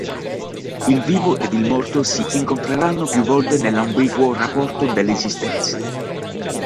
Il vivo ed il morto si incontreranno più volte nell'ambiguo rapporto dell'esistenza.